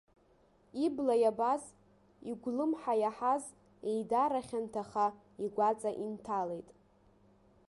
Ибла иабаз, игәлымҳа иаҳаз, еидара хьанҭаха, игәаҵа инҭалеит.